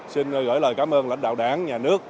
xin gửi lời cảm ơn lãnh đạo đảng nhà nước